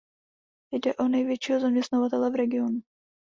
Jde o největšího zaměstnavatele v regionu.